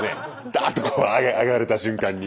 ダーッとこう上げられた瞬間に。